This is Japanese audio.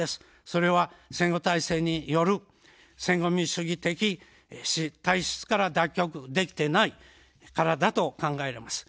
それは戦後体制による戦後民主主義的体質から脱却できていないからだと考えられます。